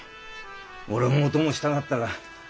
俺もお供したかったがあっしら